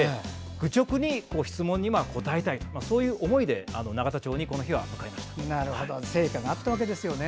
愚直に質問に答えたいとそういう思いで成果があったわけですよね。